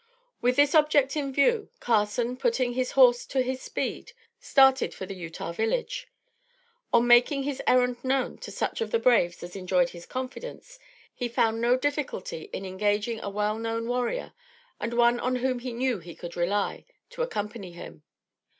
With this object in view, Carson, putting his horse to his speed, started for the Utah village. On making his errand known to such of the braves as enjoyed his confidence, he found no difficulty in engaging a well known warrior, and one on whom he knew he could rely, to accompany him.